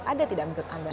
ada tidak menurut anda